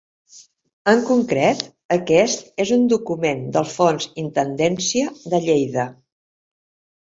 En concret, aquest és un document del fons Intendència de Lleida.